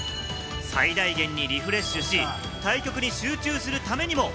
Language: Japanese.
最大限にリフレッシュし、対局に集中するためにも。